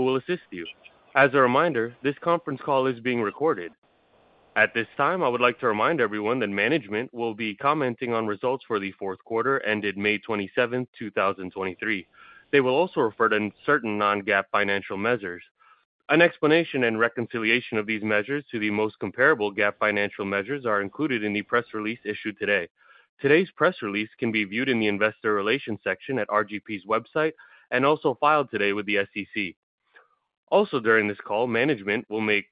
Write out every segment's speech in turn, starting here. who will assist you. As a reminder, this Conference Call is being recorded. At this time, I would like to remind everyone that management will be commenting on results for the fourth quarter ended May 27, 2023. They will also refer to certain non-GAAP financial measures. An explanation and reconciliation of these measures to the most comparable GAAP financial measures are included in the press release issued today. Today's press release can be viewed in the Investor Relations section at RGP's website and also filed today with the SEC. During this call, management will make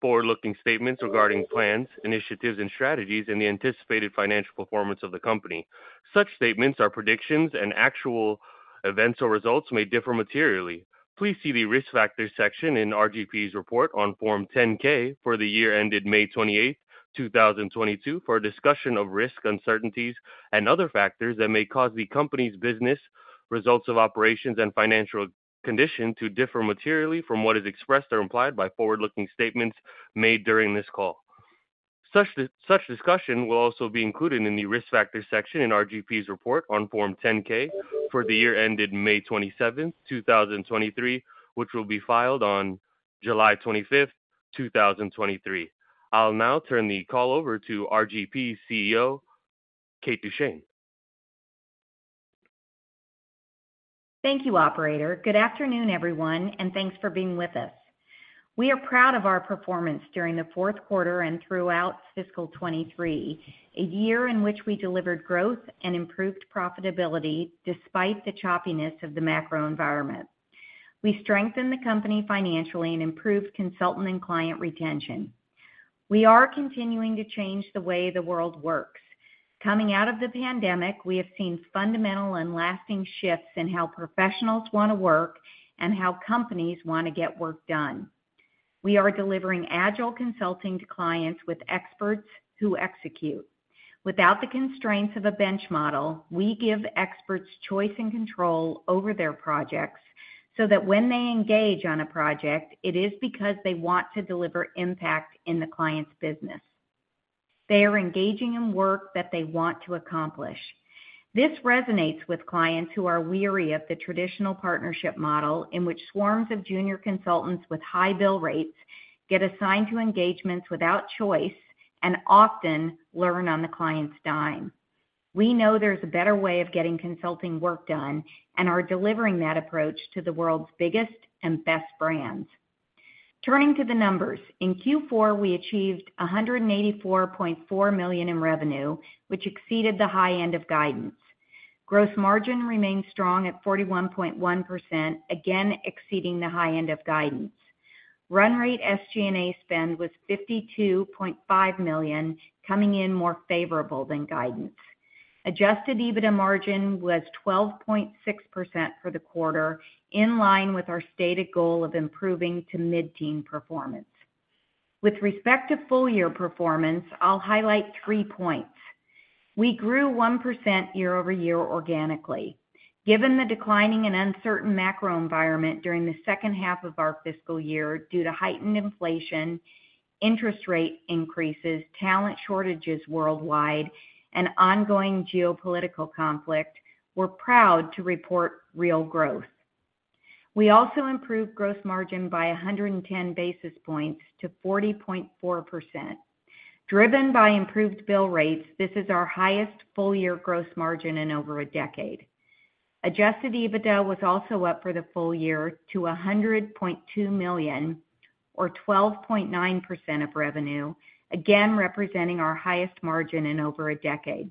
forward-looking statements regarding plans, initiatives, and strategies and the anticipated financial performance of the company. Such statements are predictions, and actual events or results may differ materially. Please see the Risk Factors section in RGP's report on Form 10-K for the year ended May 28, 2022, for a discussion of risks, uncertainties, and other factors that may cause the company's business, results of operations, and financial condition to differ materially from what is expressed or implied by forward-looking statements made during this call. Such discussion will also be included in the Risk Factors section in RGP's report on Form 10-K for the year ended May 27, 2023, which will be filed on July 25th, 2023. I'll now turn the call over to RGP's CEO, Kate Duchene. Thank you, operator. Good afternoon, everyone. Thanks for being with us. We are proud of our performance during the fourth quarter and throughout fiscal 23, a year in which we delivered growth and improved profitability despite the choppiness of the macro environment. We strengthened the company financially and improved consultant and client retention. We are continuing to change the way the world works. Coming out of the pandemic, we have seen fundamental and lasting shifts in how professionals want to work and how companies want to get work done. We are delivering agile consulting to clients with experts who execute. Without the constraints of a bench model, we give experts choice and control over their projects so that when they engage on a project, it is because they want to deliver impact in the client's business. They are engaging in work that they want to accomplish. This resonates with clients who are weary of the traditional partnership model, in which swarms of junior consultants with high bill rates get assigned to engagements without choice and often learn on the client's dime. We know there's a better way of getting consulting work done and are delivering that approach to the world's biggest and best brands. Turning to the numbers. In Q4, we achieved $184.4 million in revenue, which exceeded the high end of guidance. Gross margin remained strong at 41.1%, again exceeding the high end of guidance. Run rate SG&A spend was $52.5 million, coming in more favorable than guidance. Adjusted EBITDA margin was 12.6% for the quarter, in line with our stated goal of improving to mid-teen performance. With respect to full-year performance, I'll highlight three points. We grew 1% year-over-year organically. Given the declining and uncertain macro environment during the second half of our fiscal year due to heightened inflation, interest rate increases, talent shortages worldwide, and ongoing geopolitical conflict, we're proud to report real growth. We also improved gross margin by 110 basis points to 40.4%. Driven by improved bill rates, this is our highest full-year gross margin in over a decade. Adjusted EBITDA was also up for the full year to $100.2 million, or 12.9% of revenue, again, representing our highest margin in over a decade.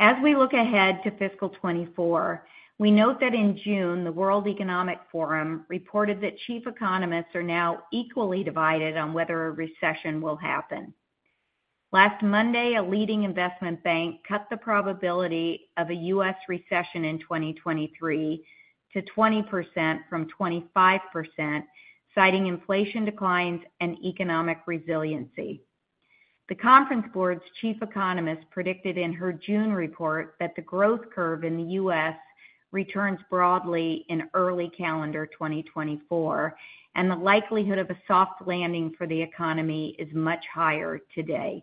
As we look ahead to fiscal 2024, we note that in June, the World Economic Forum reported that chief economists are now equally divided on whether a recession will happen. Last Monday, a leading investment bank cut the probability of a U.S. recession in 2023 to 20% from 25%, citing inflation declines and economic resiliency. The Conference Board's chief economist predicted in her June report that the growth curve in the U.S. returns broadly in early calendar 2024, and the likelihood of a soft landing for the economy is much higher today.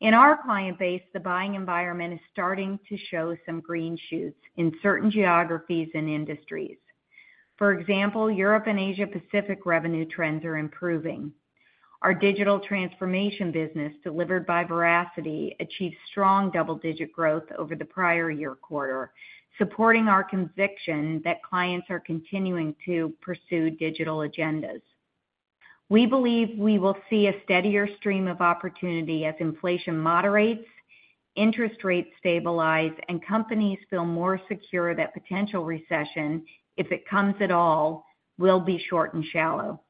In our client base, the buying environment is starting to show some green shoots in certain geographies and industries. For example, Europe and Asia Pacific revenue trends are improving. Our digital transformation business, delivered by Veracity, achieved strong double-digit growth over the prior year quarter, supporting our conviction that clients are continuing to pursue digital agendas. We believe we will see a steadier stream of opportunity as inflation moderates, interest rates stabilize, and companies feel more secure that potential recession, if it comes at all, will be short and shallow.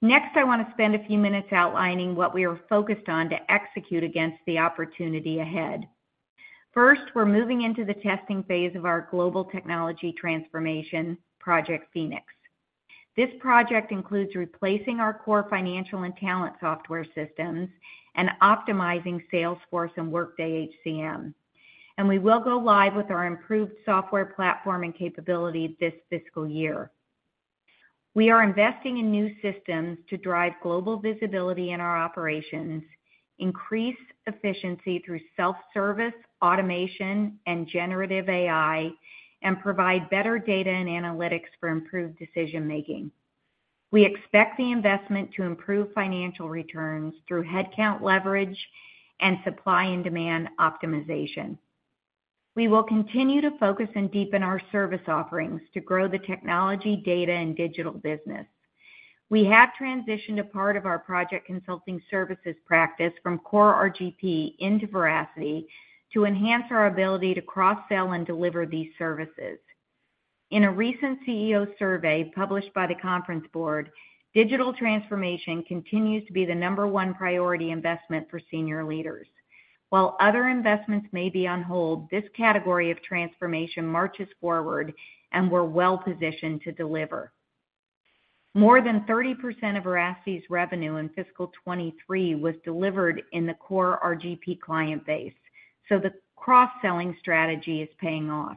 Next, I want to spend a few minutes outlining what we are focused on to execute against the opportunity ahead. First, we're moving into the testing phase of our global technology transformation, Project Phoenix. This project includes replacing our core financial and talent software systems and optimizing Salesforce and Workday HCM, and we will go live with our improved software platform and capability this fiscal year. We are investing in new systems to drive global visibility in our operations, increase efficiency through self-service, automation, and generative AI, and provide better data and analytics for improved decision-making. We expect the investment to improve financial returns through headcount leverage and supply and demand optimization. We will continue to focus and deepen our service offerings to grow the technology, data, and digital business. We have transitioned a part of our project consulting services practice from core RGP into Veracity to enhance our ability to cross-sell and deliver these services. In a recent CEO survey published by The Conference Board, digital transformation continues to be the number one priority investment for senior leaders. While other investments may be on hold, this category of transformation marches forward, and we're well-positioned to deliver. More than 30% of Veracity's revenue in fiscal 2023 was delivered in the core RGP client base, so the cross-selling strategy is paying off.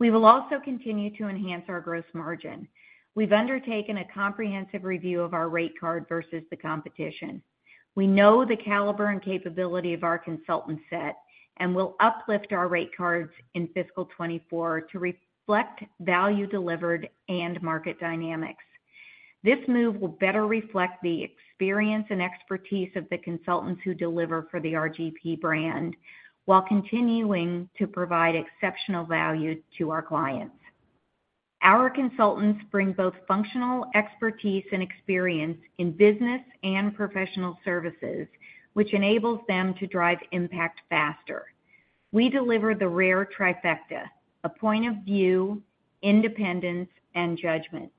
We will also continue to enhance our gross margin. We've undertaken a comprehensive review of our rate card versus the competition. We know the caliber and capability of our consultant set. We'll uplift our rate cards in fiscal 24 to reflect value delivered and market dynamics. This move will better reflect the experience and expertise of the consultants who deliver for the RGP brand while continuing to provide exceptional value to our clients. Our consultants bring both functional expertise and experience in business and professional services, which enables them to drive impact faster. We deliver the rare trifecta: a point of view, independence, and judgment.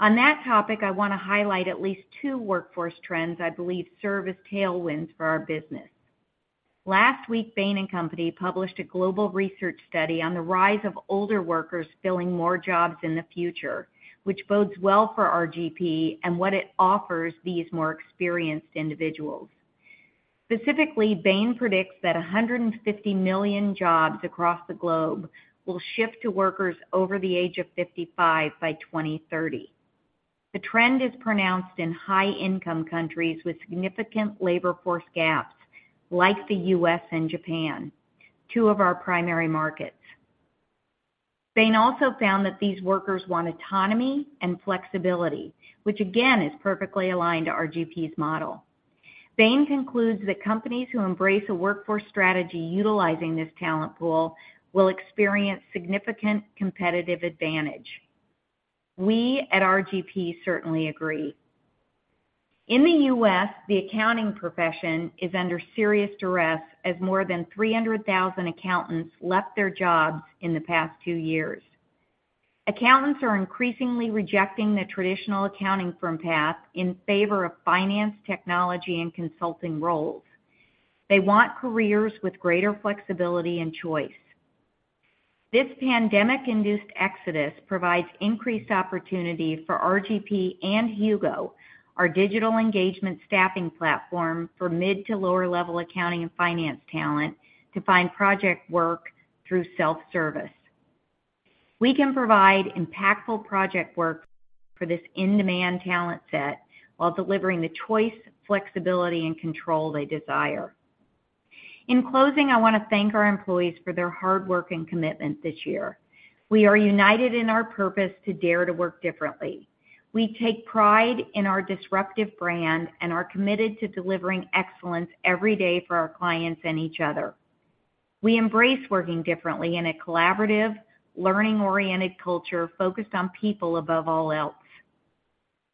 On that topic, I want to highlight at least two workforce trends I believe serve as tailwinds for our business. Last week, Bain & Company published a global research study on the rise of older workers filling more jobs in the future, which bodes well for RGP and what it offers these more experienced individuals. Specifically, Bain predicts that 150 million jobs across the globe will shift to workers over the age of 55 by 2030. The trend is pronounced in high-income countries with significant labor force gaps, like the U.S. and Japan, two of our primary markets. Bain also found that these workers want autonomy and flexibility, which again, is perfectly aligned to RGP's model. Bain concludes that companies who embrace a workforce strategy utilizing this talent pool will experience significant competitive advantage. We at RGP certainly agree. In the U.S., the accounting profession is under serious duress, as more than 300,000 accountants left their jobs in the past two years. Accountants are increasingly rejecting the traditional accounting firm path in favor of finance, technology, and consulting roles. They want careers with greater flexibility and choice. This pandemic-induced exodus provides increased opportunity for RGP and HUGO, our digital engagement staffing platform for mid to lower-level accounting and finance talent, to find project work through self-service. We can provide impactful project work for this in-demand talent set while delivering the choice, flexibility, and control they desire. In closing, I want to thank our employees for their hard work and commitment this year. We are united in our purpose to dare to work differently. We take pride in our disruptive brand and are committed to delivering excellence every day for our clients and each other. We embrace working differently in a collaborative, learning-oriented culture focused on people above all else.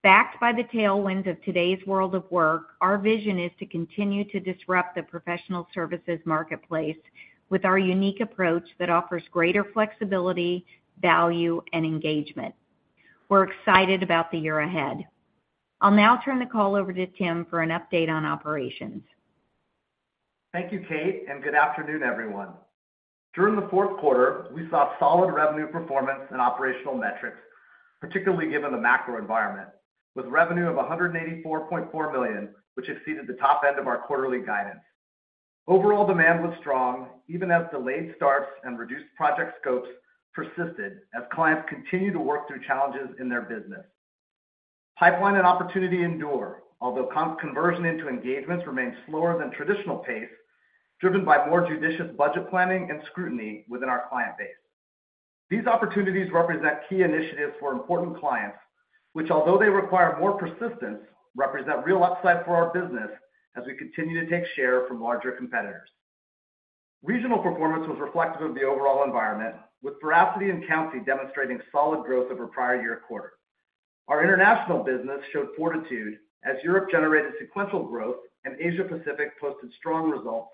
Backed by the tailwinds of today's world of work, our vision is to continue to disrupt the professional services marketplace with our unique approach that offers greater flexibility, value, and engagement. We're excited about the year ahead. I'll now turn the call over to Tim for an update on operations. Thank you, Kate. Good afternoon, everyone. During the fourth quarter, we saw solid revenue performance and operational metrics, particularly given the macro environment, with revenue of $184.4 million, which exceeded the top end of our quarterly guidance. Overall demand was strong, even as delayed starts and reduced project scopes persisted as clients continued to work through challenges in their business. Pipeline and opportunity endure, although comp conversion into engagements remains slower than traditional pace, driven by more judicious budget planning and scrutiny within our client base. These opportunities represent key initiatives for important clients, which, although they require more persistence, represent real upside for our business as we continue to take share from larger competitors. Regional performance was reflective of the overall environment, with Veracity and Countsy demonstrating solid growth over prior year quarter. Our international business showed fortitude as Europe generated sequential growth and Asia Pacific posted strong results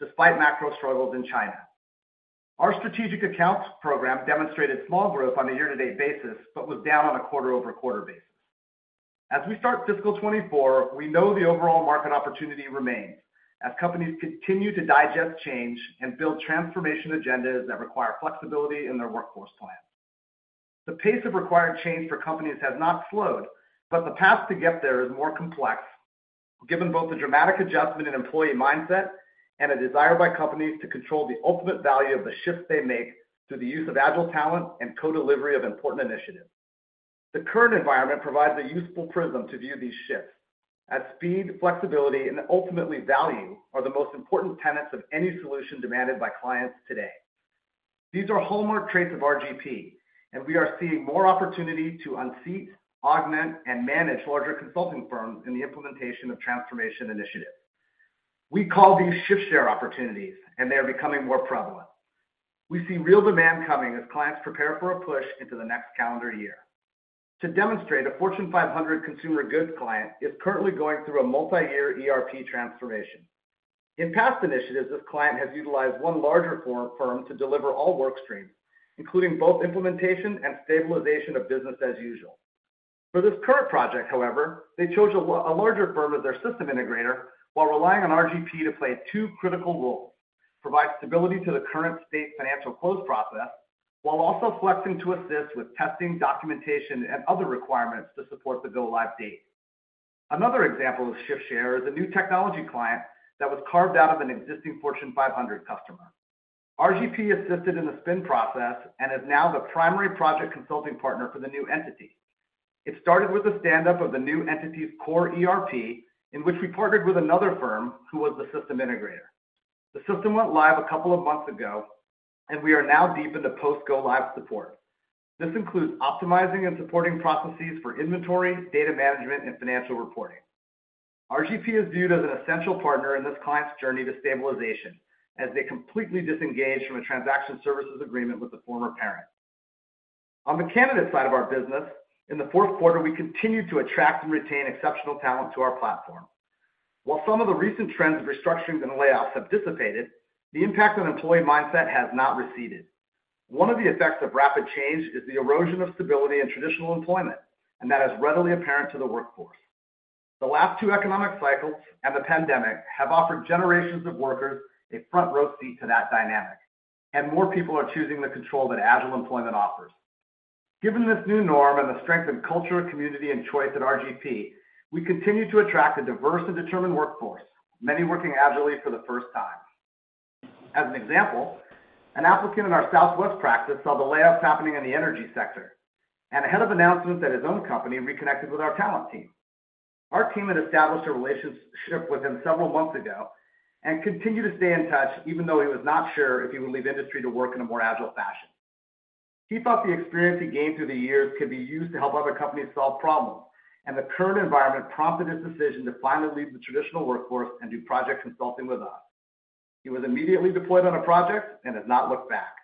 despite macro struggles in China. Our strategic accounts program demonstrated small growth on a year-to-date basis, but was down on a quarter-over-quarter basis. As we start fiscal 2024, we know the overall market opportunity remains, as companies continue to digest change and build transformation agendas that require flexibility in their workforce plan. The pace of required change for companies has not slowed, but the path to get there is more complex. Given both the dramatic adjustment in employee mindset and a desire by companies to control the ultimate value of the shifts they make through the use of agile talent and co-delivery of important initiatives. The current environment provides a useful prism to view these shifts, as speed, flexibility, and ultimately value are the most important tenets of any solution demanded by clients today. These are hallmark traits of RGP. We are seeing more opportunity to unseat, augment, and manage larger consulting firms in the implementation of transformation initiatives. We call these shift share opportunities. They are becoming more prevalent. We see real demand coming as clients prepare for a push into the next calendar year. To demonstrate, a Fortune 500 consumer goods client is currently going through a multi-year ERP transformation. In past initiatives, this client has utilized one larger firm to deliver all work streams, including both implementation and stabilization of business as usual. For this current project, however, they chose a larger firm as their system integrator, while relying on RGP to play two critical roles: provide stability to the current state financial close process, while also flexing to assist with testing, documentation, and other requirements to support the go-live date. Another example of shift share is a new technology client that was carved out of an existing Fortune 500 customer. RGP assisted in the spin process and is now the primary project consulting partner for the new entity. It started with the stand-up of the new entity's core ERP, in which we partnered with another firm who was the system integrator. The system went live a couple of months ago, and we are now deep into post-go-live support. This includes optimizing and supporting processes for inventory, data management, and financial reporting. RGP is viewed as an essential partner in this client's journey to stabilization, as they completely disengage from a transition services agreement with the former parent. On the candidate side of our business, in the fourth quarter, we continued to attract and retain exceptional talent to our platform. While some of the recent trends of restructurings and layoffs have dissipated, the impact on employee mindset has not receded. One of the effects of rapid change is the erosion of stability in traditional employment, and that is readily apparent to the workforce. The last two economic cycles and the pandemic have offered generations of workers a front-row seat to that dynamic, and more people are choosing the control that agile employment offers. Given this new norm and the strength of culture, community, and choice at RGP, we continue to attract a diverse and determined workforce, many working agilely for the first time. As an example, an applicant in our Southwest practice saw the layoffs happening in the energy sector, and ahead of announcements at his own company, reconnected with our talent team. Our team had established a relationship with him several months ago and continued to stay in touch, even though he was not sure if he would leave the industry to work in a more agile fashion. He thought the experience he gained through the years could be used to help other companies solve problems, and the current environment prompted his decision to finally leave the traditional workforce and do project consulting with us. He was immediately deployed on a project and has not looked back.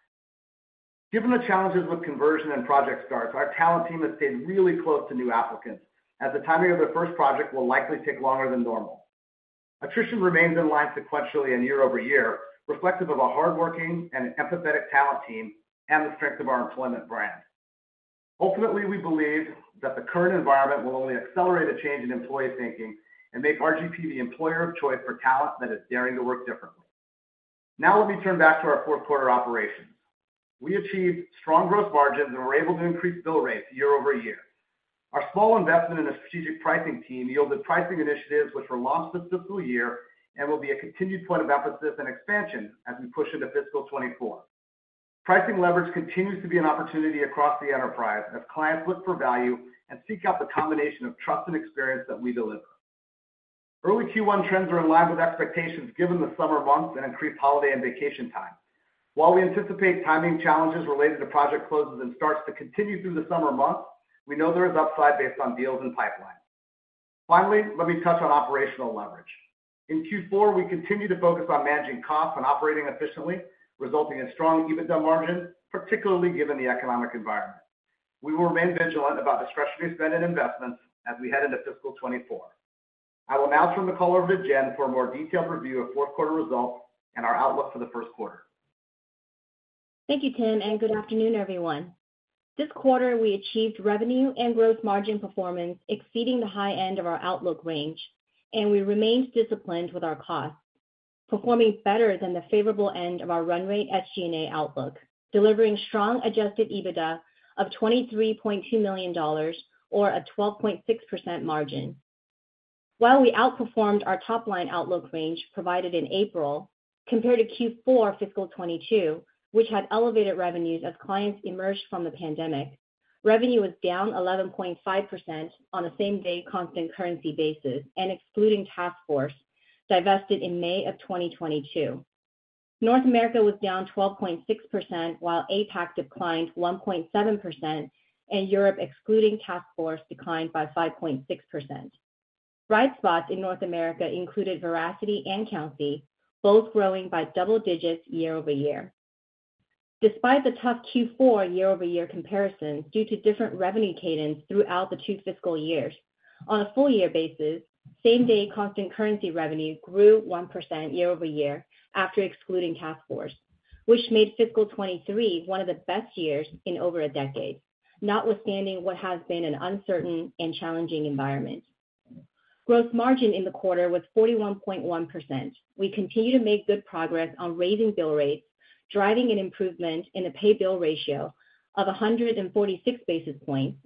Given the challenges with conversion and project starts, our talent team has stayed really close to new applicants, as the timing of their first project will likely take longer than normal. Attrition remains in line sequentially and year-over-year, reflective of a hardworking and empathetic talent team and the strength of our employment brand. Ultimately, we believe that the current environment will only accelerate a change in employee thinking and make RGP the employer of choice for talent that is daring to work differently. Let me turn back to our fourth quarter operations. We achieved strong growth margins and were able to increase bill rates year-over-year. Our small investment in a strategic pricing team yielded pricing initiatives, which were launched this fiscal year and will be a continued point of emphasis and expansion as we push into fiscal 24. Pricing leverage continues to be an opportunity across the enterprise as clients look for value and seek out the combination of trust and experience that we deliver. Early Q1 trends are in line with expectations, given the summer months and increased holiday and vacation time. While we anticipate timing challenges related to project closes and starts to continue through the summer months, we know there is upside based on deals and pipeline. Finally, let me touch on operational leverage. In Q4, we continued to focus on managing costs and operating efficiently, resulting in strong EBITDA margin, particularly given the economic environment. We will remain vigilant about discretionary spend and investments as we head into fiscal 2024. I will now turn the call over to Jen for a more detailed review of fourth quarter results and our outlook for the first quarter. Thank you, Tim, good afternoon, everyone. This quarter, we achieved revenue and growth margin performance exceeding the high end of our outlook range, and we remained disciplined with our costs, performing better than the favorable end of our run rate SG&A outlook, delivering strong Adjusted EBITDA of $23.2 million or a 12.6% margin. While we outperformed our top-line outlook range provided in April, compared to Q4 fiscal 2022, which had elevated revenues as clients emerged from the pandemic, revenue was down 11.5% on a same-day constant currency basis and excluding taskforce, divested in May of 2022. North America was down 12.6%, while APAC declined 1.7%, and Europe, excluding taskforce, declined by 5.6%. Bright spots in North America included Veracity and Countsy, both growing by double digits year-over-year. Despite the tough Q4 year-over-year comparison, due to different revenue cadence throughout the two fiscal years, on a full year basis, same-day constant currency revenue grew 1% year-over-year after excluding taskforce, which made fiscal 23 one of the best years in over a decade, notwithstanding what has been an uncertain and challenging environment. Gross margin in the quarter was 41.1%. We continue to make good progress on raising bill rates, driving an improvement in the pay bill ratio of 146 basis points.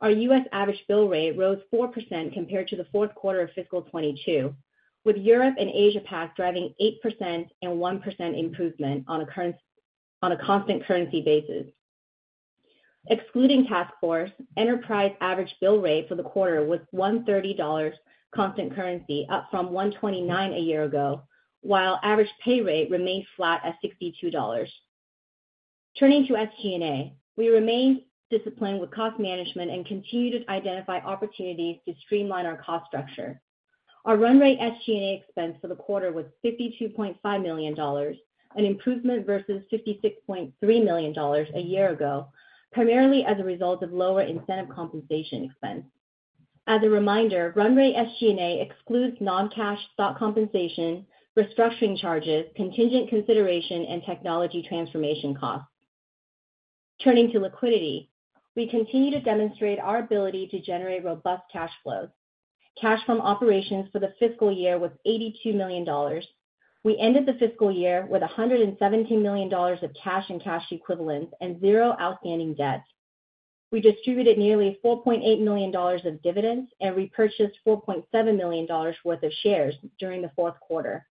Our US average bill rate rose 4% compared to the fourth quarter of fiscal 22, with Europe and Asia Pac driving 8% and 1% improvement on a constant currency basis. Excluding taskforce, enterprise average bill rate for the quarter was $130 constant currency, up from $129 a year ago, while average pay rate remained flat at $62. Turning to SG&A, we remained disciplined with cost management and continued to identify opportunities to streamline our cost structure. Our run rate SG&A expense for the quarter was $52.5 million, an improvement versus $56.3 million a year ago, primarily as a result of lower incentive compensation expense. As a reminder, run rate SG&A excludes non-cash stock compensation, restructuring charges, contingent consideration, and technology transformation costs. Turning to liquidity, we continue to demonstrate our ability to generate robust cash flows. Cash from operations for the fiscal year was $82 million. We ended the fiscal year with $117 million of cash and cash equivalents and $0 outstanding debt. We distributed nearly $4.8 million of dividends and repurchased $4.7 million worth of shares during the fourth quarter.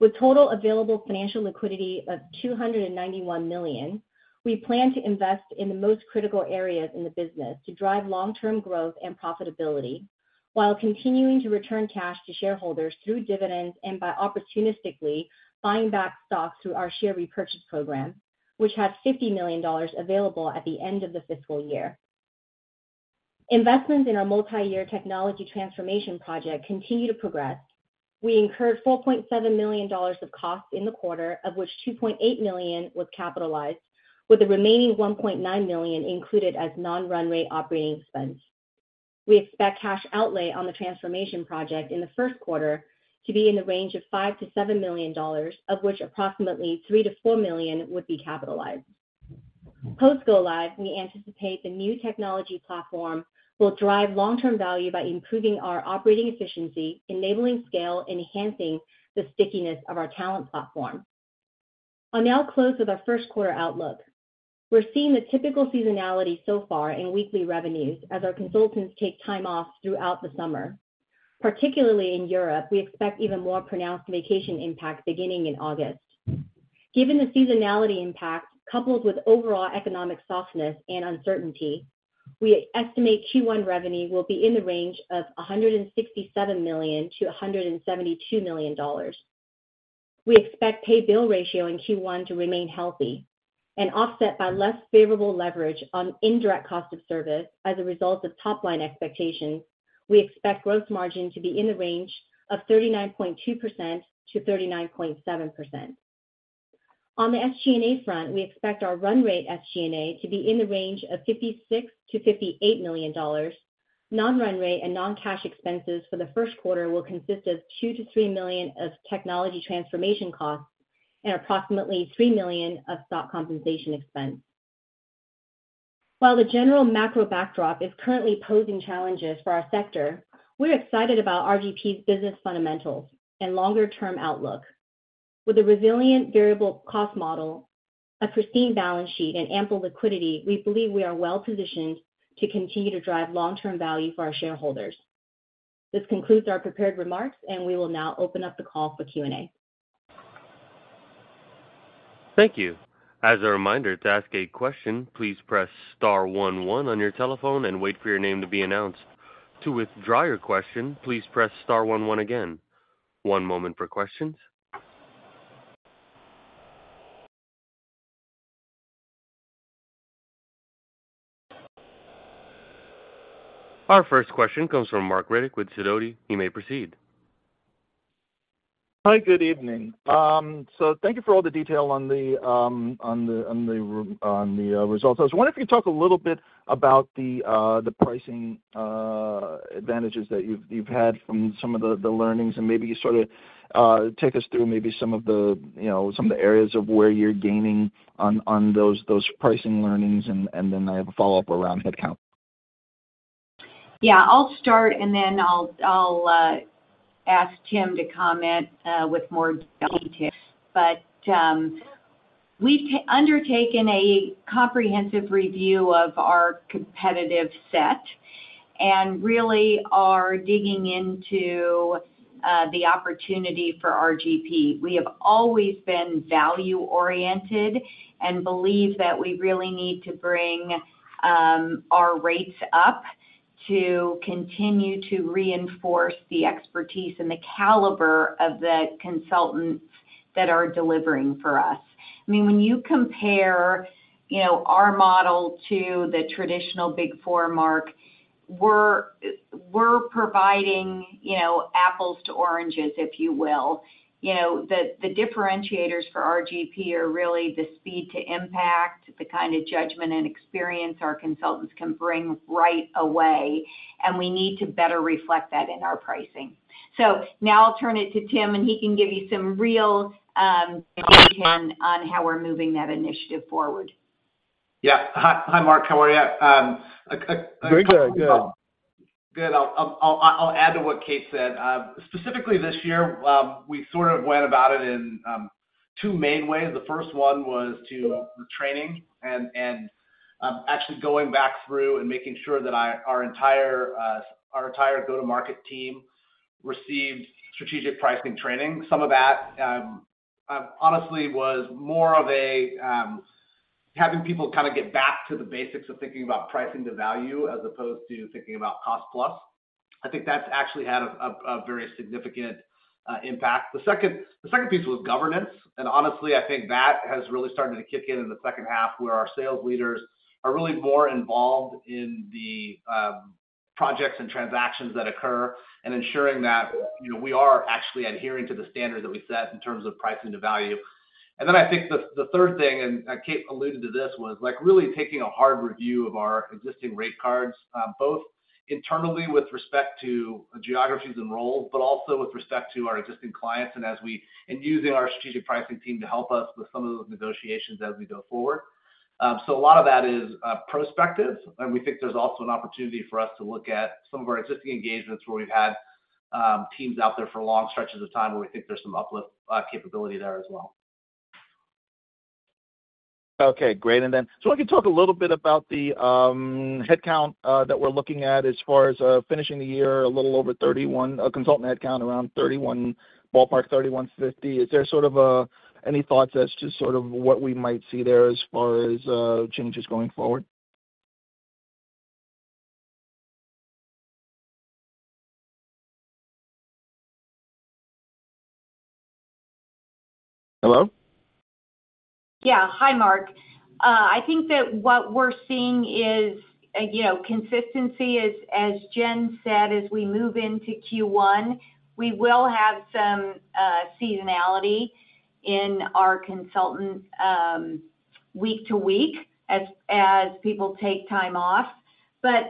With total available financial liquidity of $291 million, we plan to invest in the most critical areas in the business to drive long-term growth and profitability, while continuing to return cash to shareholders through dividends and by opportunistically buying back stocks through our share repurchase program, which has $50 million available at the end of the fiscal year. Investments in our multi-year technology transformation project continue to progress. We incurred $4.7 million of costs in the quarter, of which $2.8 million was capitalized, with the remaining $1.9 million included as non-run rate operating expense. We expect cash outlay on the transformation project in the first quarter to be in the range of $5 million-$7 million, of which approximately $3 million-$4 million would be capitalized. Post-go-live, we anticipate the new technology platform will drive long-term value by improving our operating efficiency, enabling scale, enhancing the stickiness of our talent platform. I'll now close with our first quarter outlook. We're seeing the typical seasonality so far in weekly revenues as our consultants take time off throughout the summer. Particularly in Europe, we expect even more pronounced vacation impact beginning in August. Given the seasonality impact, coupled with overall economic softness and uncertainty, we estimate Q1 revenue will be in the range of $167 million-$172 million. We expect pay bill ratio in Q1 to remain healthy and offset by less favorable leverage on indirect cost of service as a result of top-line expectations, we expect gross margin to be in the range of 39.2%-39.7%. On the SG&A front, we expect our run rate SG&A to be in the range of $56 million-$58 million. Non-run rate and non-cash expenses for the first quarter will consist of $2 million-$3 million of technology transformation costs and approximately $3 million of stock compensation expense. While the general macro backdrop is currently posing challenges for our sector, we're excited about RGP's business fundamentals and longer-term outlook. With a resilient variable cost model, a pristine balance sheet, and ample liquidity, we believe we are well positioned to continue to drive long-term value for our shareholders. This concludes our prepared remarks. We will now open up the call for Q&A. Thank you. As a reminder, to ask a question, please press star one one on your telephone and wait for your name to be announced. To withdraw your question, please press star one one again. One moment for questions. Our first question comes from Marc Riddick with Sidoti. You may proceed. Hi, good evening. Thank you for all the detail on the results. I was wondering if you could talk a little bit about the pricing advantages that you've had from some of the learnings, and maybe sort of take us through maybe some of the, you know, some of the areas of where you're gaining on those pricing learnings, and then I have a follow-up around headcount. Yeah, I'll start. Then I'll ask Tim to comment with more details. We've undertaken a comprehensive review of our competitive set and really are digging into the opportunity for RGP. We have always been value-oriented and believe that we really need to bring our rates up to continue to reinforce the expertise and the caliber of the consultants that are delivering for us. I mean, when you compare, you know, our model to the traditional Big Four, Mark, we're providing, you know, apples to oranges, if you will. You know, the differentiators for RGP are really the speed to impact, the kind of judgment and experience our consultants can bring right away. We need to better reflect that in our pricing. Now I'll turn it to Tim, and he can give you some real details on how we're moving that initiative forward. Yeah. Hi, hi, Marc. How are you? Very good. Good. I'll add to what Kate said. Specifically this year, we sort of went about it in two main ways. The first one was to the training and actually going back through and making sure that our entire go-to-market team received strategic pricing training. Some of that honestly was more of a having people kind of get back to the basics of thinking about pricing to value as opposed to thinking about cost plus. I think that's actually had a very significant impact. The second piece was governance. Honestly, I think that has really started to kick in the second half, where our sales leaders are really more involved in the projects and transactions that occur and ensuring that, you know, we are actually adhering to the standard that we set in terms of pricing to value. Then I think the third thing, and Kate alluded to this, was really taking a hard review of our existing rate cards, both internally with respect to geographies and roles, but also with respect to our existing clients, and using our strategic pricing team to help us with some of those negotiations as we go forward. A lot of that is prospective, and we think there's also an opportunity for us to look at some of our existing engagements where we've had teams out there for long stretches of time, and we think there's some uplift capability there as well. Okay, great. If you talk a little bit about the headcount that we're looking at as far as finishing the year, a little over 31, a consultant headcount around 31, ballpark, 3,150. Is there sort of any thoughts as to sort of what we might see there as far as changes going forward? Hello? Yeah. Hi, Mark. I think that what we're seeing is, you know, consistency. As Jen said, as we move into Q1, we will have some seasonality in our consultant, week to week as people take time off.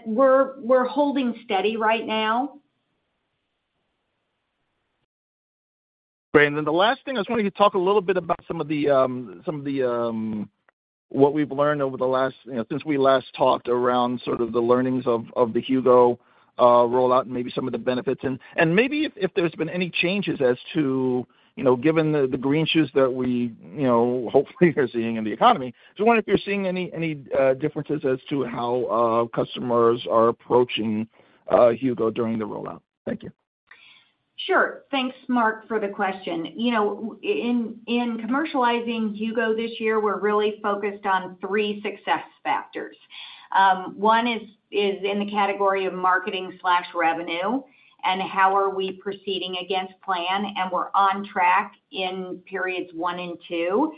We're holding steady right now. Great. The last thing, I was wondering if you could talk a little bit about some of the, some of the, what we've learned over the last, you know, since we last talked around sort of the learnings of the HUGO rollout and maybe some of the benefits. Maybe if there's been any changes as to, you know, given the green shoots that we, you know, hopefully are seeing in the economy. Just wondering if you're seeing any differences as to how customers are approaching HUGO during the rollout? Thank you. Sure. Thanks, Mark, for the question. You know, in commercializing HUGO this year, we're really focused on 3 success factors. One is in the category of marketing/revenue, and how are we proceeding against plan, and we're on track in periods 1 and 2.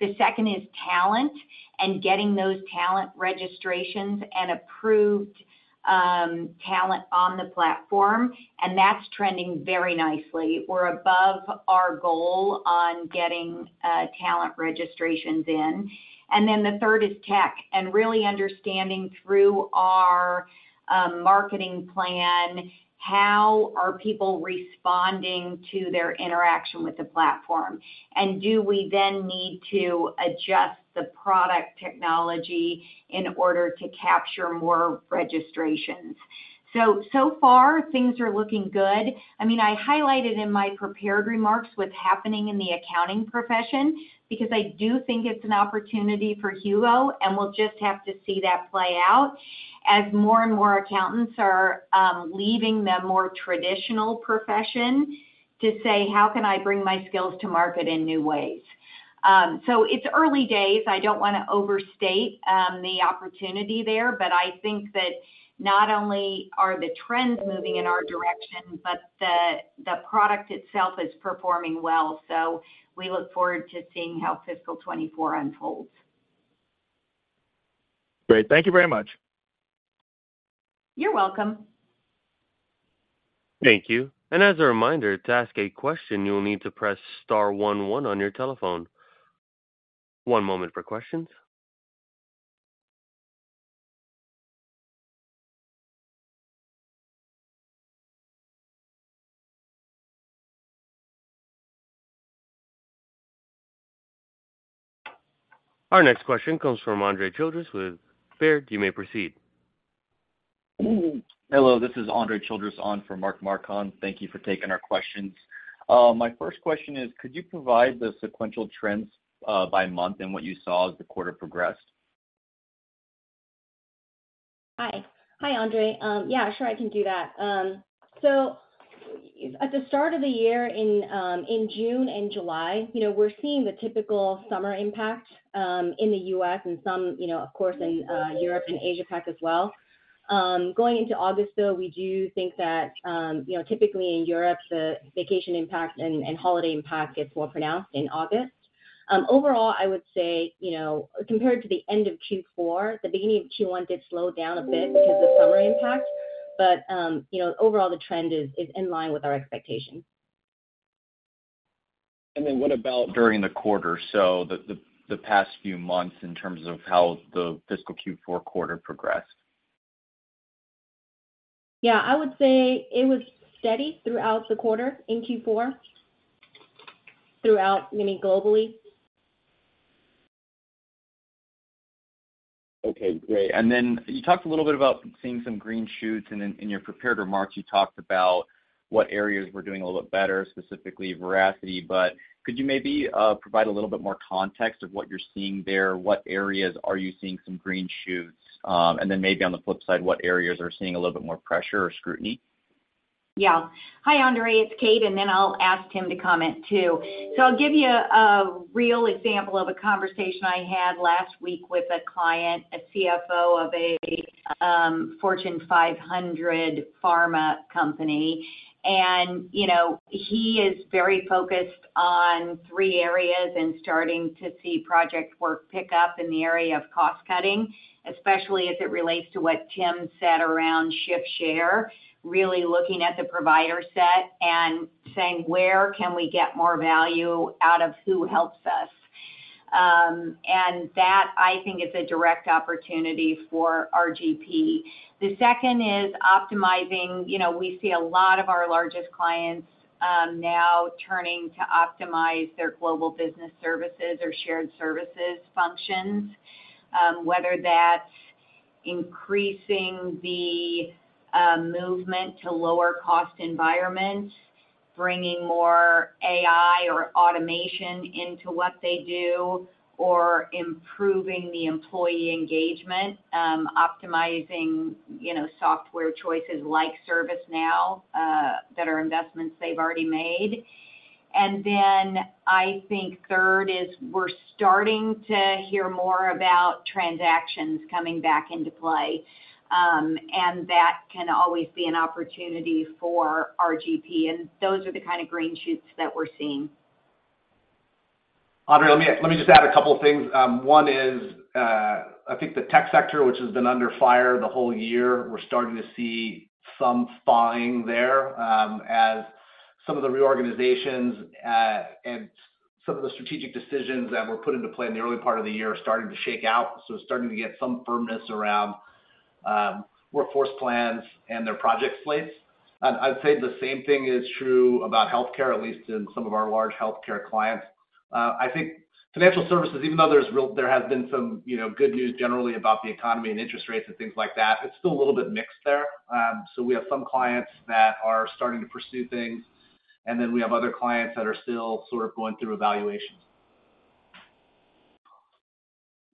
The second is talent and getting those talent registrations and approved talent on the platform, and that's trending very nicely. We're above our goal on getting talent registrations in. Then the third is tech, and really understanding through our marketing plan, how are people responding to their interaction with the platform? Do we then need to adjust the product technology in order to capture more registrations? So far, things are looking good. I mean, I highlighted in my prepared remarks what's happening in the accounting profession, because I do think it's an opportunity for HUGO, and we'll just have to see that play out as more and more accountants are leaving the more traditional profession to say: How can I bring my skills to market in new ways? It's early days. I don't want to overstate the opportunity there, but I think that not only are the trends moving in our direction, but the product itself is performing well. We look forward to seeing how fiscal 24 unfolds. Great. Thank you very much. You're welcome. Thank you. As a reminder, to ask a question, you will need to press star one one on your telephone. One moment for questions. Our next question comes from Andre Childress with Baird. You may proceed. Hello, this is Andre Childress on for Mark Marcon. Thank you for taking our questions. My first question is, could you provide the sequential trends by month and what you saw as the quarter progressed? Hi. Hi, Andre. Yeah, sure I can do that. At the start of the year in June and July, you know, we're seeing the typical summer impact in the U.S. and some, you know, of course, in Europe and Asia-Pac as well. Going into August, though, we do think that, you know, typically in Europe, the vacation impact and holiday impact gets more pronounced in August. Overall, I would say, you know, compared to the end of Q4, the beginning of Q1 did slow down a bit because of summer impact. You know, overall, the trend is in line with our expectations. What about during the quarter, so the past few months, in terms of how the fiscal Q4 quarter progressed? Yeah, I would say it was steady throughout the quarter in Q4, throughout, meaning globally. Okay, great. Then you talked a little bit about seeing some green shoots, and in your prepared remarks, you talked about what areas were doing a little bit better, specifically Veracity. Could you maybe provide a little bit more context of what you're seeing there? What areas are you seeing some green shoots? Then maybe on the flip side, what areas are seeing a little bit more pressure or scrutiny? Yeah. Hi, Andre, it's Kate. I'll ask Tim to comment too. I'll give you a real example of a conversation I had last week with a client, a CFO of a Fortune 500 pharma company. You know, he is very focused on three areas and starting to see project work pick up in the area of cost cutting, especially as it relates to what Tim said around shift share, really looking at the provider set and saying, "Where can we get more value out of who helps us?" That, I think, is a direct opportunity for RGP. The second is optimizing. You know, we see a lot of our largest clients, now turning to optimize their global business services or shared services functions, whether that's increasing the movement to lower cost environments, bringing more AI or automation into what they do, or improving the employee engagement, optimizing, you know, software choices like ServiceNow, that are investments they've already made. I think third is we're starting to hear more about transactions coming back into play, and that can always be an opportunity for RGP, and those are the kind of green shoots that we're seeing. Andre, let me just add a couple of things. One is, I think the tech sector, which has been under fire the whole year, we're starting to see some thawing there, as some of the reorganizations and some of the strategic decisions that were put into play in the early part of the year are starting to shake out. Starting to get some firmness around workforce plans and their project slates. I'd say the same thing is true about healthcare, at least in some of our large healthcare clients. I think financial services, even though there has been some, you know, good news generally about the economy and interest rates and things like that, it's still a little bit mixed there. We have some clients that are starting to pursue things, and then we have other clients that are still sort of going through evaluations.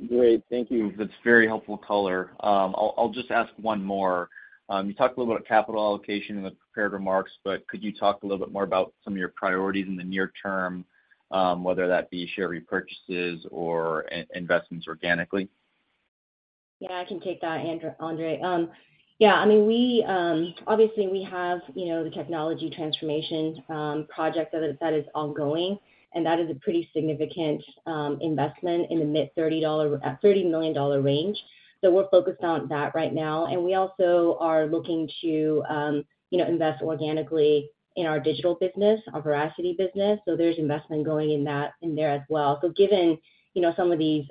Great. Thank you. That's very helpful color. I'll just ask one more. You talked a little about capital allocation in the prepared remarks, but could you talk a little bit more about some of your priorities in the near term, whether that be share repurchases or investments organically? Yeah, I can take that, Andre. We, obviously we have, you know, the technology transformation project that is ongoing, and that is a pretty significant investment in the mid $30 million range. We're focused on that right now, and we also are looking to, you know, invest organically in our digital business, our Veracity business, so there's investment going in there as well. Given, you know, some of these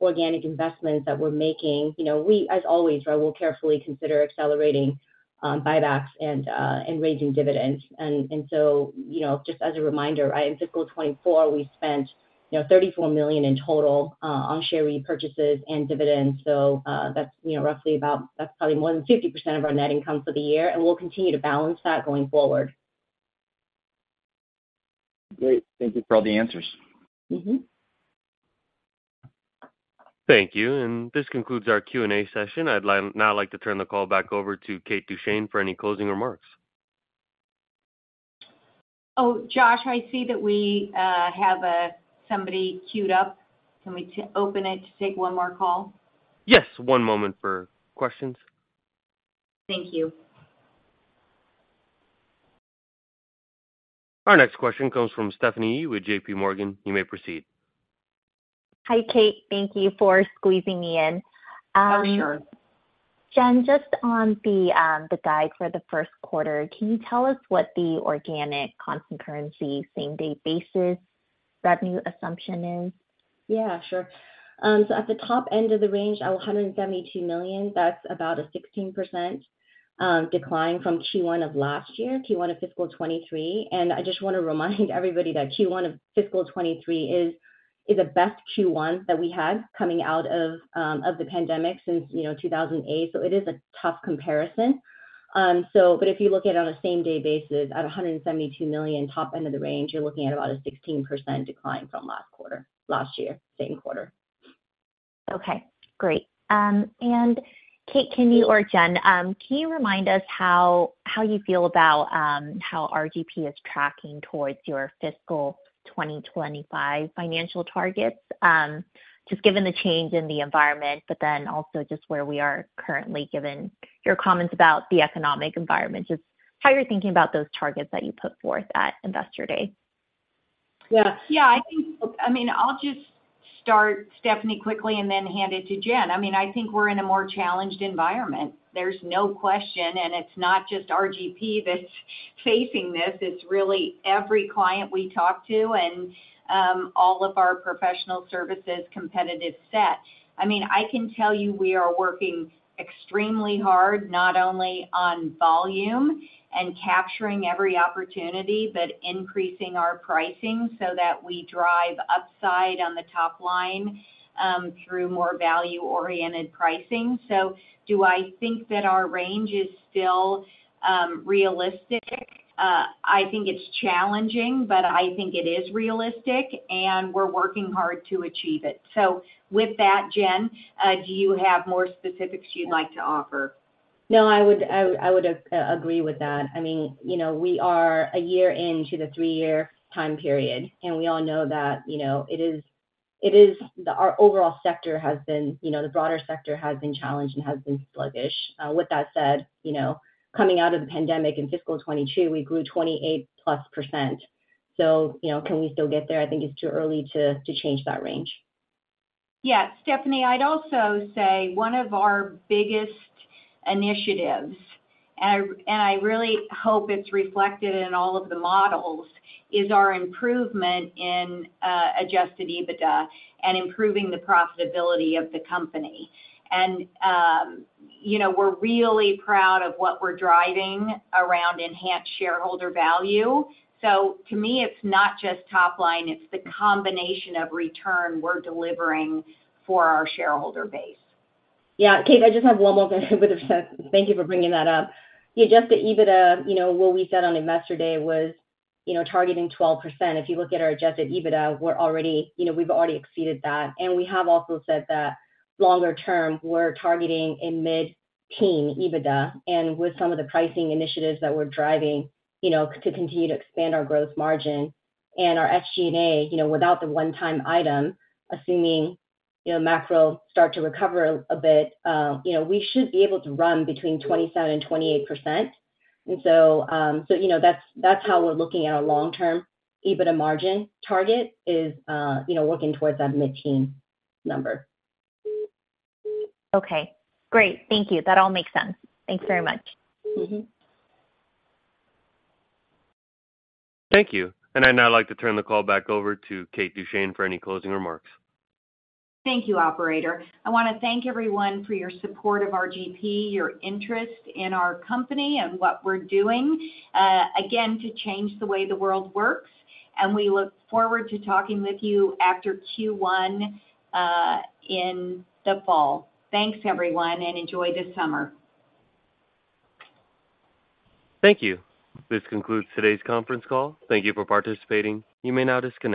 organic investments that we're making, you know, we, as always, right, we'll carefully consider accelerating buybacks and raising dividends. Just as a reminder, right, in fiscal 2024, we spent, you know, $34 million in total on share repurchases and dividends. That's, you know, that's probably more than 50% of our net income for the year, and we'll continue to balance that going forward. Great. Thank you for all the answers. Mm-hmm. Thank you. This concludes our Q&A session. I'd now like to turn the call back over to Kate Duchene for any closing remarks. Josh, I see that we have somebody queued up. Can we open it to take one more call? Yes, one moment for questions. Thank you. Our next question comes from Stephanie Yee with JPMorgan. You may proceed. Hi, Kate. Thank you for squeezing me in. Oh, sure. Jen, just on the guide for the first quarter, can you tell us what the organic constant currency same-day basis revenue assumption is? Yeah, sure. At the top end of the range, at $172 million, that's about a 16% decline from Q1 of last year, Q1 of fiscal 2023. I just wanna remind everybody that Q1 of fiscal 2023 is the best Q1 that we had coming out of the pandemic since, you know, 2008. It is a tough comparison. But if you look at it on a same-day basis, at $172 million, top end of the range, you're looking at about a 16% decline from last year, same quarter. Okay, great. Kate, can you or Jen, can you remind us how you feel about how RGP is tracking towards your fiscal 2025 financial targets? Just given the change in the environment, but then also just where we are currently, given your comments about the economic environment, just how you're thinking about those targets that you put forth at Investor Day. Yeah. Yeah, I think I mean, I'll just start, Stephanie, quickly, and then hand it to Jen. I mean, I think we're in a more challenged environment. There's no question, and it's not just RGP that's facing this. It's really every client we talk to and, all of our professional services competitive set. I mean, I can tell you we are working extremely hard, not only on volume and capturing every opportunity, but increasing our pricing so that we drive upside on the top line, through more value-oriented pricing. Do I think that our range is still, realistic? I think it's challenging, but I think it is realistic, and we're working hard to achieve it. With that, Jen, do you have more specifics you'd like to offer? No, I would, I would agree with that. I mean, you know, we are a year into the three-year time period. We all know that, you know, it is, the our overall sector has been, you know, the broader sector has been challenged and has been sluggish. With that said, you know, coming out of the pandemic in fiscal 2022, we grew 28%+. You know, can we still get there? I think it's too early to change that range. Yeah, Stephanie, I'd also say one of our biggest initiatives, and I really hope it's reflected in all of the models, is our improvement in Adjusted EBITDA and improving the profitability of the company. You know, we're really proud of what we're driving around enhanced shareholder value. To me, it's not just top line, it's the combination of return we're delivering for our shareholder base. Yeah, Kate, I just have one more thing I would have said. Thank you for bringing that up. The Adjusted EBITDA, you know, what we said on Investor Day was, you know, targeting 12%. If you look at our Adjusted EBITDA, we're already, you know, we've already exceeded that. We have also said that longer term, we're targeting a mid-teen EBITDA, and with some of the pricing initiatives that we're driving, you know, to continue to expand our growth margin and our SG&A, you know, without the one-time item, assuming, you know, macro start to recover a bit, you know, we should be able to run between 27%-28%. So, you know, that's how we're looking at our long-term EBITDA margin target, is, you know, working towards that mid-teen number. Okay, great. Thank you. That all makes sense. Thanks very much. Mm-hmm. Thank you. I'd now like to turn the call back over to Kate Duchene for any closing remarks. Thank you, operator. I wanna thank everyone for your support of RGP, your interest in our company and what we're doing, again, to change the way the world works. We look forward to talking with you after Q1 in the fall. Thanks, everyone. Enjoy the summer. Thank you. This concludes today's Conference Call. Thank you for participating. You may now disconnect.